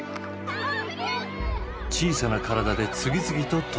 小さな体で次々とトライ。